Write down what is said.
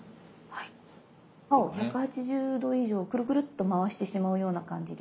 刃を１８０°以上クルクルっと回してしまうような感じで。